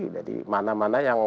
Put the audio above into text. jadi mana mana yang